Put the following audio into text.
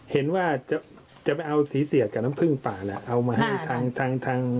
เห็นว่าจะไปเอาสีเสียดกับน้ำผึ้งป่าเนี่ยเอามาให้ทางทาง